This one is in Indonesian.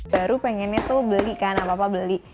baru pengennya tuh beli kan apa apa beli